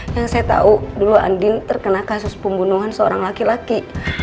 yang saya tahu dulu andin terkena kasus pembunuhan seorang laki laki